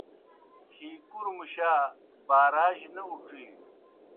ہی کُروْ مُشا باراجیْ نہ اُڇِھینوْ۔